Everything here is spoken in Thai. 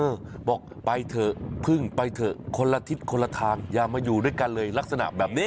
บอกไปเถอะพึ่งไปเถอะคนละทิศคนละทางอย่ามาอยู่ด้วยกันเลยลักษณะแบบนี้